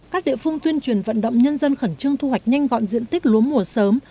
các địa phương tuyên truyền vận động nhân dân khẩn trương thu hoạch nhanh gọn diện tích lúa mùa sớm